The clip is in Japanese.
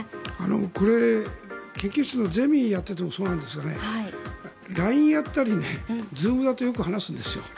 これ研究室のゼミをやっていてもそうなんですがＬＩＮＥだったりＺｏｏｍだとよく話すんですよ。